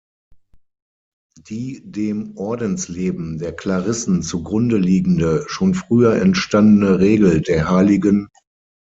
Die dem Ordensleben der Klarissen zugrundeliegende, schon früher entstandene Regel der hl.